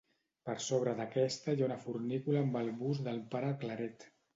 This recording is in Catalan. Per sobre d'aquesta hi ha una fornícula amb el bust del pare Claret.